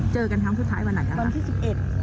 เจอกันทั้งสุดท้ายวันไหนครับ